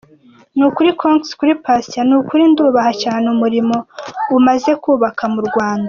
Ni ukuri Congz kuri Patient ni ukuri ndubaha cyane umurimo umaze kubaka mu Rwanda.